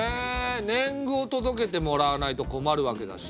年貢を届けてもらわないと困るわけだし。